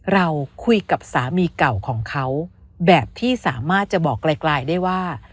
เราคุยกับสามีเก่าของเขาแบบที่สามารถจะบอกไกลได้ว่า